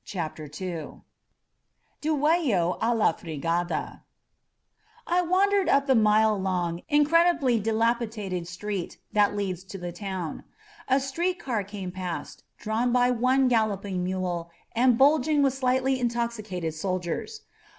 •• CHAPTER n DUELLO A LA FRIGADA Ii^ANDERED up the mile long, incredibly dilapi dated street that leads to the town. A street car came past, drawn by one galloping mule and bulging with slightly intoxicated soldiers.